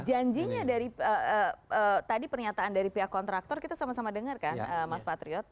janjinya dari tadi pernyataan dari pihak kontraktor kita sama sama dengar kan mas patriot